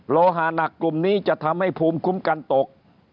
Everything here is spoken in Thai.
โลหานักกลุ่มนี้จะทำให้ภูมิคุ้มกันตก